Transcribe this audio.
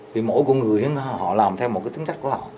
vì mỗi người họ làm theo một cái tính cách của họ